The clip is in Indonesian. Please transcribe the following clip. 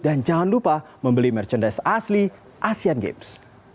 dan jangan lupa membeli merchandise asli asian games